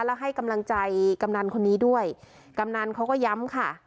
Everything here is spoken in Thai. แล้วให้กำลังใจกำนันคนนี้ด้วยกำนันเขาก็ย้ำค่ะ